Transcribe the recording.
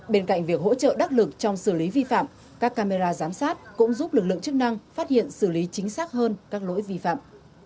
bên cạnh việc hỗ trợ đắc lực trong xử lý vi phạm các camera giám sát cũng giúp lực lượng chức năng phát hiện xử lý chính xác hơn các lỗi vi phạm